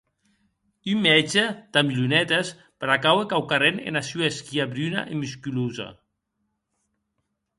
Un mètge damb lunetes bracaue quauquarren ena sua esquia bruna e musculosa.